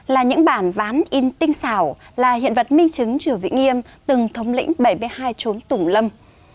là những bản ván in tinh xảo là hiện vật minh chứng chùa vĩnh nghiêm từng thống lĩnh bảy mươi hai trốn tủng lâm